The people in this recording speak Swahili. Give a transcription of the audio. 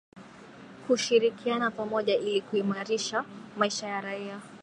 kushirikiana pamoja ili kuimarisha maisha ya raia